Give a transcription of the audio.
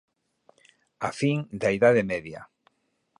A fin da Idade Media.